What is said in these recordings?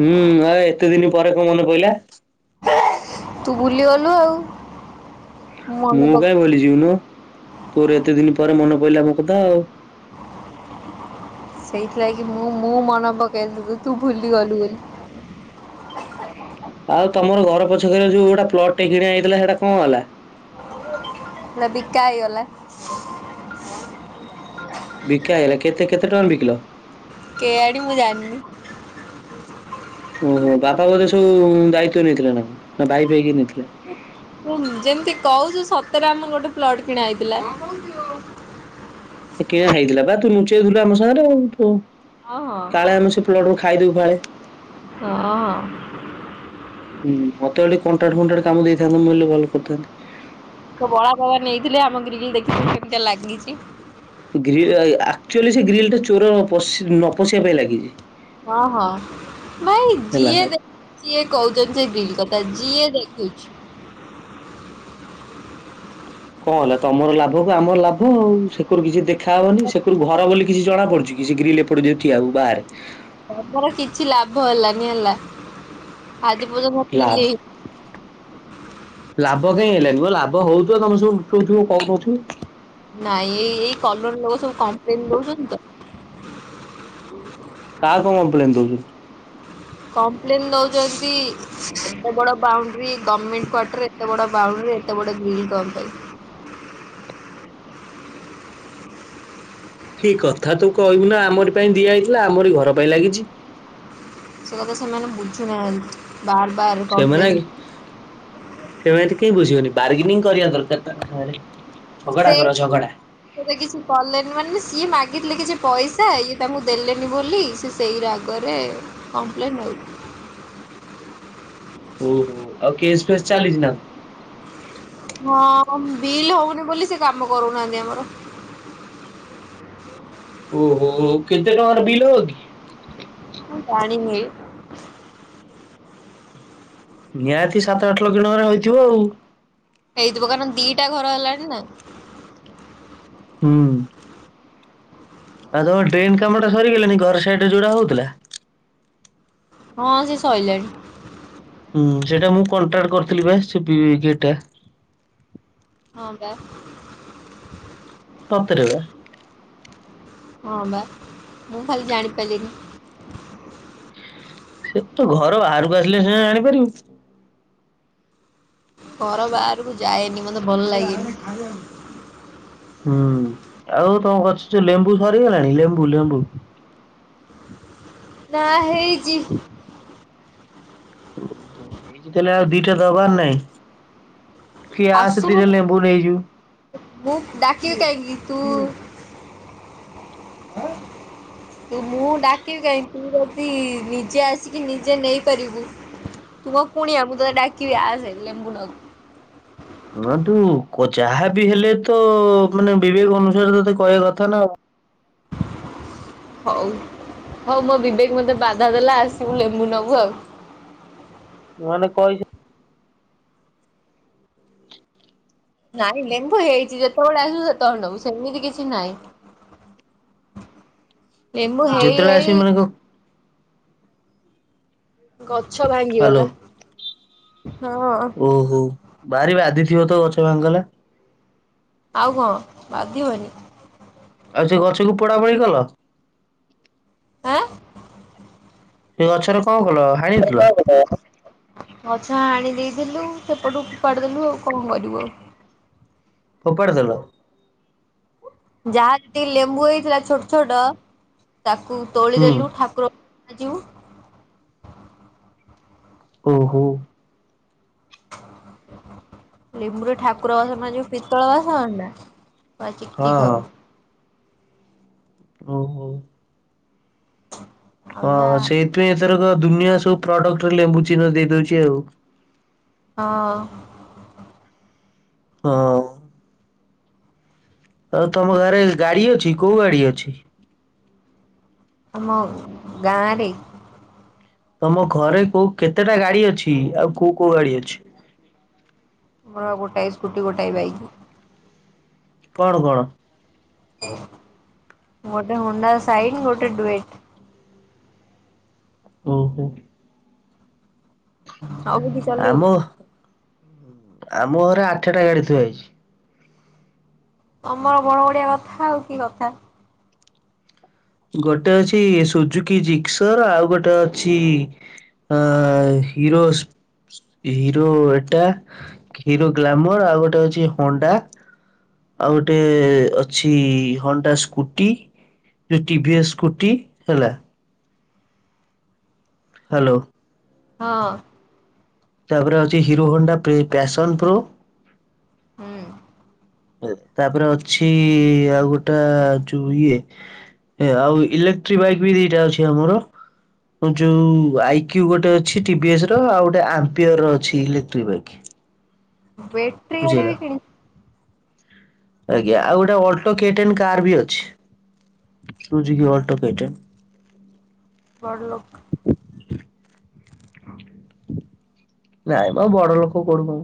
ହୁଁ ହାଏ ଏତେ ଦିନ ପରେ କଣ ମନେ ପଇଲା ତୁ ବୁଲି ଗଲୁ ଆଉ ମନେ ମୁଁ ପକ କାହିଁ ଭୁଲି ଯିବି ମ ତୋର ଏତେ ଦିନ ପରେ ମନେ ପଡିଲା ମୋ କଥା ଆଉ ସେଇଥିଲାଗି ମୁଁ ମୁଁ ମନେ ପକେଇଥିଲୁ ତୁ ଭୁଲିଗଲୁ ବୋଲି ଆଉ ତମର ଘର ପଛକରେ ଯୋଉ ଗୋଟା ପ୍ଲଟ ଟେ କିଣଆ ହେଇଥିଲା ସେଟା କଣ ହେଲା ସେଟା ବିକା ହେଇଗଲା ବିକା ହେଇଲା କେତେ କେତେ ଟଙ୍କା ବିକିଲ କେ ଆଡିି ମୁଁ ଜାଣିନି ଓହୋ ବାପା ବୋଧେ ସବୁ ଦାୟିତ୍ଵ ନେଇଥିଲା ନା ନା ଭାଇ ଫାହି କେହି ନେଇଥିଲା ହୁ ଯେମିତି କହୁଛୁ ସତରେ ଆମର ଗୋଟେ ପ୍ଲଟ କିଣା ହେଇଥିଲା ଏ କିଣା ହେଇଥିଲା ବା ତୁ ଲୁଚେଇଥିଲୁ ଆମ ସାଙ୍ଗରେ ଆ ତୁ ହଁ ହଁ। କାଳେ ଆମେ ସେ ପ୍ଲଟ କୁ ଖାଇଦଉ ଫାଳେ ହଁ ହୁଁ ମତେ ଭ କଣ୍ଟାଟ ଫଣ୍ଟାଟ କାମ ଦେଇଥାନ୍ତୁ ମୁଁଲେ ହେଲେ ଭଲ କରିଥାନ୍ତି ବଳା ବାବା ନେଇଥିଲେ ଆମରି ଗ୍ରିଲ୍ ଦେଖିଲୁ କେତେ ଲାଗିଛି ଗ୍ରିଲ ଆକ୍ଚୁଆଲି ସେ ଗ୍ରିଲ ଟା ଚୋର ପ ନ ପଶିବା ପାଇଁ ଲାଗିଛି ହଁ ହଁ ଭାଇ ହେଲା। ଯିଏ ଦେ ସିଏ କହୁଛନ୍ତି ସେ ଗ୍ରିଲ କଥା ଯିଏ ଦେଖୁଛି କଣ ହେଲା ତମର ଲାଭକୁ ଆମର ଲାଭ ଆଉ ସେକରୁ କିଛି ଦେଖାହବନି ସେକରୁ ଘର ବୋଲି କିଛି ଜଣା ପଡୁଛି କି ସେ ଗ୍ରୀିଲ ଏପଡୁ ଯ ଆଉ ବାହାରେ ତମର କିଛି ଲାଭ ହେଲାନି ହେଲା ଆଜି ପର୍ଯ୍ୟନ୍ତ ଲାଭ ପିଲ୍ ହେ ଲାଭ କାଇହିଁ ହେଲାନି ମୋ ଲାଭ ହଉଥିବ ତମେ ସବୁଉଥିବ କଣ କହୁଥିବୁ ନାଇଁ ଏଇ ଏଇ କଲୋନୀ ଲୋକ ସବୁ କମ୍ପ୍ଲେନ ଦଉଛନ୍ତି ତ କା କଣ କମ୍ପ୍ଲେନ୍ ଦଉଛନ୍ତି କମ୍ପ୍ଲେନ୍ ଦଉଛନ୍ତି ଏତେ ବଡ ବାଉଣ୍ଡରୀ ଗଭର୍ଣ୍ଣମେଣ୍ଟ କ୍ୱାର୍ଟର ଏତେ ବଡ ବାଉଣ୍ଡରୀ ଏତେ ବଡ ଗିଲ୍ କମ ପାଇଁ କି କଥା ତୁ କହିବୁ ନା ଆମରି ପାଇଁ ଦିଆଯାଇଥିଲା ଆମରି ଘର ପାଇଁ ଲାଗିଛି। ସେ କଥା ସେମାନେ ବୁଝୁନାହାନ୍ତି। ବାର ବାର ସେମାନେ କମ୍ପ୍ଲେନ ଆ ସେମାନେ ଏଠି କେହି ବୁଝିବନି ବାର୍ଗନିଂ କରିବା ଦରକାର ତାଙ୍କ ସାଙ୍ଗରେ। ଝଗଡା କର ଝଗଡା। ସେତ କିଛି କଲେନି ମାନେ ସିଏ ମାଗିଥିଲେ କିଛି ପଇସା ଇଏ ତାଙ୍କୁ ଦେଲେନି ବୋଲି। ସେଇ ରାଗରେ କମ୍ପ୍ଲେନ୍ ଆଉ। ଓହୋ ଆଉ କେସ୍ ଫେସ୍ ଚାଲିଛି ନା ହଁ ବିଲ୍ ହଉନି ବୋଲି ସେ କାମ କରୁନାହାନ୍ତି ଆମର। ଓହୋ କେତେ ଟଙ୍କାର ବିଲ ହବ କି? ମୁଁ ଜାଣିନି। ନିହାତି ସାତ ଆଠ ଲକ୍ଷ ଟଙ୍କାରେ ହେଇଥିବ ଆଉ। ହେଇଥିବ କାରଣ ଦିଟା ଘର ହେଲାଣି ନା। ହୁଁ ଆଉ ତମର ଡ୍ରେନ କାମ ଟା ସରିଗଲାଣି ଘର ସାଇଡ ରେ ଯୋଉଟା ହଉଥିଲା। ହଁ ସେ ସଇଲାଣି। ହୁଁ ସେଇଟା ମୁଁ କଣ୍ଟ୍ରାକ୍ଟ କରିଥିଲି ବା ସେ ପି ଗେଟ ଟା। ହଁ ବା [unintelligible] ହଁ ବା ମୁଁ ଖାଲି ଜାଣିପାରିଲିନି। ସେ ତ ଘର ବାହାରକୁ ଆସିଲେ ସିନା ଜାଣିପାରିବୁ। ଘର ବାହାରକୁ ଯାଏନି ମତେ ଭଲ ଲାଗେନି। ହୁଁ ଆଉ ତମ ଗଛରୁ ଯୋଉ ଲେମ୍ବୁ ସରିଗଲାଣି ଲେମ୍ବୁ ଲେମ୍ବୁ। ନା ହେଇଛି। ଓହୋ ହେଇଛି ତାହେଲେ ଆଉ ଦିଟା ଦବାର ନାଇଁ। କି ଆସେ ଆସୁନୁ ଟିକେ ଲେମ୍ବୁ ନେଇଯିବୁ। ମୁଁ ଡାକିବି କାହିଁକି ତୁ ତୁ ମୁଁ ଡାକିବି କାହିଁକି ତୁ ଯଦି ନିଜେ ଆସିକି ନିଜେ ନେଇପାରିବୁ। ତୁ ମୋ କୁଣିଆ ମୁଁ ତତେ ଡାକିବି ଆସେ ଲେମ୍ବୁ ନବୁ। ହଁ ତୁ ଯାହାବି ହେଲେ ତ ମାନେ ବିବେକ ଅନୁସାରେ ତତେ କହିବା କଥା ନା ଆଉ ହଉ ହଉ ମୋ ବିବେକ ମତେ ବାଧା ଦେଲା ଆସିବୁ ଲେମ୍ବୁ ନେବୁ ଆଉ। ମାନେ କହି ନାଇଁ ଲେମ୍ବୁ ହେଇଛି ଯେତେବେଳେ ଆସିବୁ ସେତେବେଳେ ନେବୁ ସେମିତି କିଛି ନାହିଁ। ଲେମ୍ବୁ ହେଇ ଯେତେବେଳେ ହେଇ ଆସିବି ମାନେ କ ଗଛ ହ୍ୟାଲୋ ଭାଙ୍ଗିଗଲା ହଁ। ଓହୋ ଭାରି ବାଧିଥିବ ତ ଗଛ ଭାଙ୍ଗିଗଲା। ଆଉ କଣ ବାଧିବନି। ଆଉ ସେ ଗଛକୁ ପୋଡା ପୋଡି କଲ। ଆଁ ସେ ଗଛର କଣ କଲ ହାଣିଥିଲୁ। ଗଛ ହାଣି ଦେଇଥିଲୁ ସେପଟକୁ ଫୋପାଡି ଦେଲୁ ଆଉ କଣ କରିବୁ ଆଉ। ଫୋପାଡି ଦେଲ? ଯାହା ଯେତି ଲେମ୍ବୁ ହେଇଥିଲା ଛୋଟ୍ ଛୋଟ, ତାକୁ ତୋଳି ହୁଁ। ଦେଲୁ ଠାକୁର ଆଜି ଉ ଓ ହୋ ଲେମ୍ବ୍ରୁ ଠାକୁର ବାସନ ମାଜିଉ ପିତ୍ତଳ ବାସନ ନା ପୁରା ଚିକ୍ ହଁ ଚିକ୍ ହଁ ହବ। ହୋଊ ହୋଊ [inaudible] ହ ସେଇଥିପାଇଁ ଏଥର ଦୁନିଆ ସବୁ ପ୍ରଡକ୍ଟରେ ଲେମ୍ବୁ ଚିହ୍ନ ଦେଇ ଦଉଚି ଆଉ ହଁ ହଁ ଆଉ ତମ ଗାଁରେ ଗାଡି ଅଛି କୋଉ ଗାଡି ଅଛି? ଆମ ଗାଁଆରେ ତମ ଘରେ କୋଉ କେତେଟା ଗାଡି ଅଛି, ଆଉ କୋଉ କୋଉ ଗାଡି ଅଛି? ମର ଗୋଟାଏ ସ୍କୁଟି ଗୋଟାଏ ବାଇକ୍। କଣ କଣ? ଗୋଟେ ହୁଣ୍ଡା ସାଇନ୍, ଗୋଟେ ଡୁଏଟ୍ ଓହୋ ଆଉ କିଛି ଚଲେଇବୁ। ଆମ, ଆମ ହରେ ଆଠେଟା ଗାଡି ଥିଆ ହେଇଚି। ତମର ବଡ ବଡିଆ କଥା ଆଉ କି କଥା ଗୋଟେ ଅଛି ସୁଜୁକି ଜିକ୍ସର୍, ଆଉ ଗୋଟେ ଅଛି ଆ ହିରୋ ହିରୋ ଏଟା, ଖିରୋ ଗ୍ଲାମର ଆଉ ଗୋଟେ ଅଛି ହଣ୍ଡା ଆଉ ଗୋଟେ ଅଛି ହଣ୍ଡା ସ୍କୁଟି ଯୋଉ ଟି ଭି ଏସ ସ୍କୁଟି ହେଲା। ହ୍ୟାଲୋ ହଁ ତାପରେ ଅଚି ହିରୋ ହଣ୍ଡା ପ୍ରି ପ୍ୟାସନ୍ ପ୍ରୋ, ହୁଁ ଏ, ତାପରେ ଅଛି ଆଉ ଗୋଟା ଯୁ ଇଏ ଏ ଆଉ ଇଲେକ୍ଟ୍ରି ବାଇକ୍ ବି ଦିଟା ଅଛି ଆମର। ଯୋଉ ଆଇକ୍ୟୁ ଗୋଟେ ଅଛି, ଟି ଭି ଏସ୍ ର ଆଉ ଗୋଟେ ଆମ୍ପିୟର ର ଅଛି ଇଲେକ୍ଟ୍ରି ବାଇକ୍। ବେଟ୍ରି ଗାଡ଼ି ବୁଝିହେଲା ବି କିଣି ଆଜ୍ଞା, ଆଉ ଗୋଟେ ଅଲ୍ଟୋ କେଟେନ୍ କାର୍ ବି ଅଛି। ସୁଜିକି ଅଟ କେଟେନ୍। ବଡ୍ ଲୋକ୍ ନାଇଁମ ବଡ ଲୋକ [unintelligible] କୋଡୁନ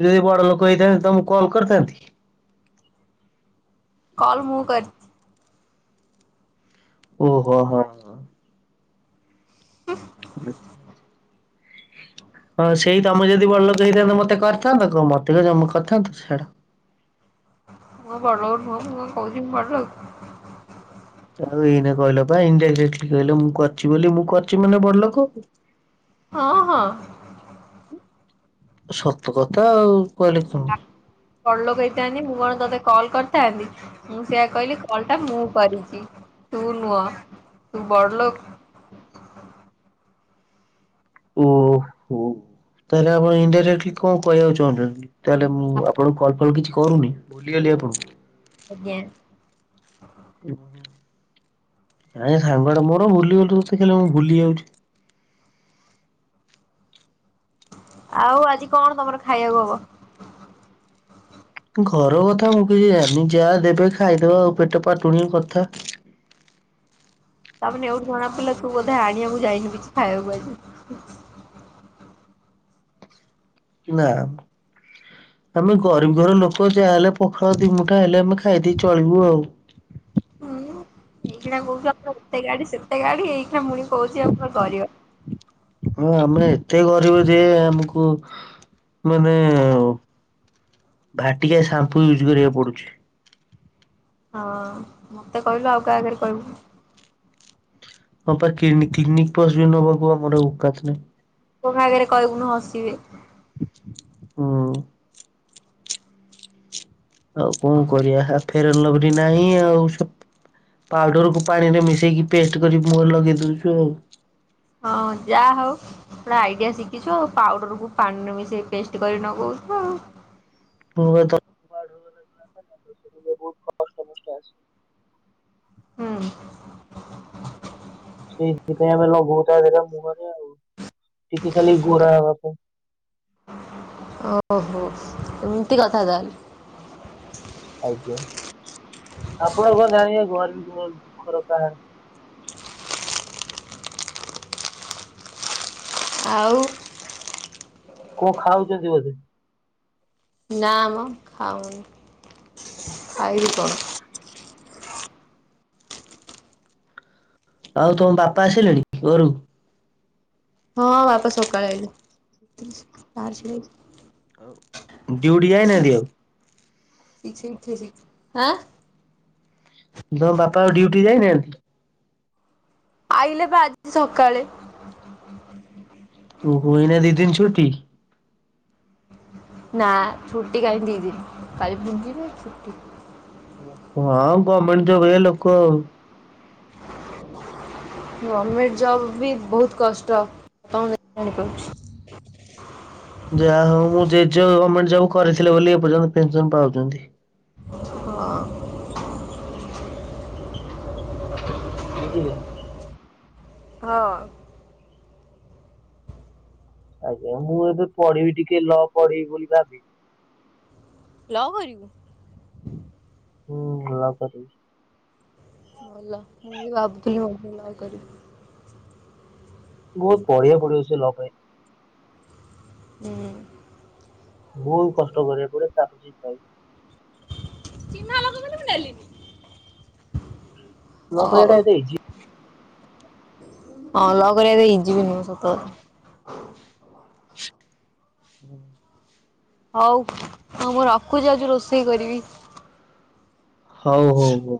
ମୁଁ ଯଦି ବଡ ଲୋକ ହେଇଥାନ୍ତି, ତମକୁ କଲ୍ କରିଥାନ୍ତି କଲ୍ ମୁଁ କରିଚି ଉ ହୋ ହୋ ହ [unintelligible] ବ [unintelligible] ହଁ ସେଇ ତମେ ଯଦି ବଡଲୋକ ହେଇଥାନ୍ତ ମତେ କରିଥାନ୍ତ କ ମତେ ଜମା କରିଥାନ୍ତ ଛାଡ। ମୁଁ ବଳଉ [unintelligible] ନୁଁ ମୁ କହୁଛି ବଳ [unintelligible] ଆଉ ଏଇନା କହିଲ ଇନ୍ ଡାଇରେକ୍ଟଲି କଇଲ, ମୁଁ କରିଚି ବୋଲି ମୁଁ କରିଚି ମାନେ ବଡ ଲୋକ। ହଁ ହଁ ସତ କଥା ଆଉ କହିଲେ କ ବଡ଼ ଲୋକ ହେଇଥାନ୍ତି ମୁଁ କଣ ତୋତେ କଲ୍ କରିଥାନ୍ତି ମୁଁ ସେଆ କହିଲି କଲଟା ମୁଁ କରିଛି, ତୁ ନୁଆ ତୁ ବଡ଼ଲୋକ୍ ଓହୋ ତାହେଲେ ଆପଣ ଇନ୍ଡାଇରେକ୍ଟଲି କଁ କହିବାକୁ ଚାହୁଁଛନ୍ତି? ତାହେଲେ ମୁଁ ଆପଣଙ୍କୁ କଲ୍ ଫଲ୍ କିଛି କରୁନି ଭୁଲିଗଲି ଆପଣଙ୍କୁ, ଆଜ୍ଞା, ହେ ସାଙ୍ଗଟା ମୋର ଭୁଲିଗଲୁ ସିଏ ଖାଲି ମୁଁ ଭୁଲି ଯାଉଛି। ଆଉ ଆଜି କଣ ତମର ଖାଇବାକୁ ହବ? ଘର କଥା ମୁ କିଛି ଯାଣିନି ଯାହା ଦେବେ ଖାଇଦବା ଆଉ ପେଟ ପାଟୁଣି କଥା, ତାମାନେ ଏଉଠୁ ଜଣା ପଡ଼ିଲ ତୁ ବୋଧେ ଆଣିବାକୁଁ ଯାଇନୁ କିଛି ଖାଇବାକୁ ଆଜି, କିଛ୍ ନା, ଆମେ ଗରିବ୍ ଘର ଲୋକ ଯାହାହେଲେ ପଖର ଦିମୁଠା ହେଲେ ଆମେ ଖାଇଦେଇ ଚଳିବୁ ଆଉ, ହୁଁ ଏଇଖିଣା କହୁଛ ଆମ ଏତେ ଗାଡିି଼ ସେତେ ଗାଡ଼ି ଏଇଖିଣା ପୁଣି କହୁଛି ଆମେ ଗରିବ, ହଁ ଆମେ ଏତେ ଗରିବ ଯେ ଆମକୁ ମାନେ, ଭାଟିଏ ସାମ୍ପୁ ୟୁଜ୍ କରିବାକୁ ପଡ଼ୁଛି, ହଁ ମତେ କହିଲୁ ଆଉ କାହା ଆଗରେ କହିବୁ, ହଁ ପା କ୍ଲିନି-କ୍ଲିନି ପସ୍ ଆସିବି ନବାକୁ ଆମର ଓାକାତ୍ ନାଇଁ, କୋଣ ଆଗରେ କହିବୁନୁ ହସିବେ, ହୁଁ, ଆଉ କଣ କରିବା ହା ଫେର୍ ଲଭିଲି ନାହିଁ ଆଉ ସବ୍ ପାଉଡ଼ରକୁ ପାଣିରେ ମିଶାଇକି ପେଷ୍ଟ କରି ମୁହରେ ଲଗେଇ ଦେଉଛୁ ଆଉ, ହଁ ଯାହା ହଉ, ପୁରା ଆଇଡ଼ିଆ ଶିଖିଛୁ ଆଉ ପାଉଡରକୁୁ ପାଣିରେ ମିଶେଇ ପେଷ୍ଟ କରି ନଗଉଛୁ ଆଉ, ପହେତ, ବହୁତ କଷ୍ଟ ମଷ୍ଟ ଆସେ। ହୁଁ, ସେଇଥିପାଇଁ ଆମେ ଲଗଉ ତା ଦେ ମୁହଁରେ ଆଉ ଟିକେ ଖାଲି ଗୋରା ହବାକୁ, ଓହୋ ଏମିତି କଥା ତାହେଲେ, ଆଜ୍ଞା ଆପଣ କଣ ଜାଣିବେ ଘର୍ମୀ ଘର୍ମୀ ଦୁଃଖର କାହାର, ଆଉ, କଁ ଖାଉଛନ୍ତି ବୋଧେ? ନା ମ ଖାଉନି ଖାଇବି କଣ, ଆଉ ତମ ବାପା ଆସିଲେଣି ଘରୁ? ହଁ ବାପା ସକାଳେ ଆଇଲେ [unintelligible] ଡ୍ୟୁଟି ଯାଇନାହାନ୍ତି ଆଉ? [unintelligible] ଆଁ, ତମ ବାପା ଆଉ ଡ୍ୟୁଟି ଯାଇନାହାନ୍ତି? ଆଇଲେ ବା ଆଜି ସକାଳେ, ଓ ହୋ ଏଇନା ଦି ଦିନ୍ ଛୁଟି? ନା ଛୁଟି କାହିଁ ଦି ଦିନ୍ କାଲି ଦିିଦିନା ଛୁଟି, ହଁ ଆଉ ଗର୍ମେଣ୍ଟ୍ ରେ ହୁଏ ଲୋକ ଆଉ, ଗର୍ମେଣ୍ଟ୍ ଜବ୍ ବି ବହୁତ୍ କଷ୍ଟ ତମେ ଜାଣିପାରୁଛି, ଯାହା ହଉ ମୁଁ ଜେଜ ଗର୍ମେଣ୍ଟ୍ ଜବ୍ କରିିଥିଲେ ବୋଲି ଏପର୍ଯ୍ୟନ୍ତ ପେନ୍ ସନ୍ ପାଉଛନ୍ତି। ବୁଝିଲେ, ହଁ, ଆଜ୍ଞା ମୁଁ ଏବେ ପଢ଼ିବି ଟିକେ ଲ ପଢ଼ିବି ବୋଲି ଭାବିଛି, ଲ କରିବୁ? ହୁଁ ଲ କରିବି। ଭଲ, ମୁଁ ବି ଭାବୁଥିଲି ମୁଁ ବି ଲ କରିବି। ବହୁତ୍ ପଢ଼ିଆକୁ ପଢ଼ିବ ସେ ଲ ପାଇଁ। ହୁଁ। ବହୁତ୍ କଷ୍ଟ କରିଆକୁ ପଡ଼ିବ [inaudible] [inaudible] ମୁଁ ନେଲିନି। ଲ କରିବା ଟା ହଉ ଏତେ ଇଜି ହଁ ଲ କରିବା ଏତେ ଇଜି ବି ନୁହଁ, ସତ କଥା। [inaudible] ହଉ-ହଉ ମୁଁ ରଖୁଚି ଯାଉଚି ରୋଷେଇ କରିବି। ହଉ-ହଉ-ହଉ।